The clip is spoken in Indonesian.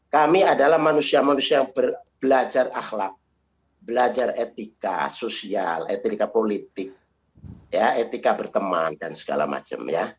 kami adalah manusia manusia yang belajar akhlak belajar etika sosial etika politik etika berteman dan segala macam